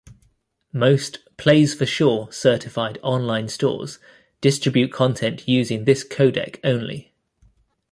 Most PlaysForSure-certified online stores distribute content using this codec only.